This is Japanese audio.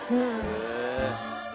へえ！